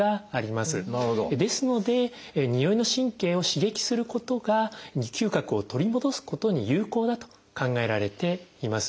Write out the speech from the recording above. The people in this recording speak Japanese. ですのでにおいの神経を刺激することが嗅覚を取り戻すことに有効だと考えられています。